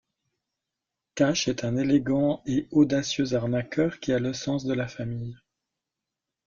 Cash est un élégant et audacieux arnaqueur qui a le sens de la famille.